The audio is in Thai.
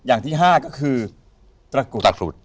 อย่างที่๕ก็คือตะกุฎ